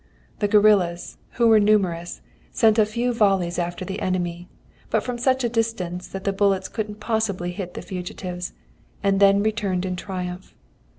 "The guerillas, who were numerous, sent a few volleys after the enemy, but from such a distance that the bullets couldn't possibly hit the fugitives, and then returned in triumph.